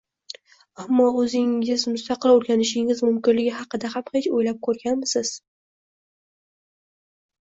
Ammo o’zingiz mustaqil o’rganishingiz mumkinligi haqida ham hech o’ylab ko’rganmisiz